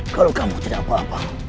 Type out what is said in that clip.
kalau kamu tidak apa apa